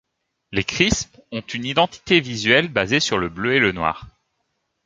Les Crips ont une identité visuelle basée sur le bleu et le noir.